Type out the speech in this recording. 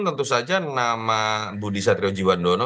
tentu saja nama budi satrio jiwandono